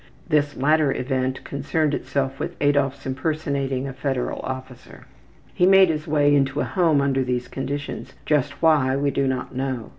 This latter event concerned itself with Adolf's impersonating a federal officer. He made his way into a home under these conditions, just why we do not know.